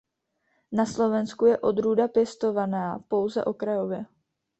Na Slovensku je odrůda pěstovaná pouze okrajově.